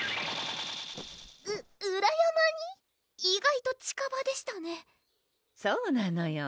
意外と近場でしたねそうなのよ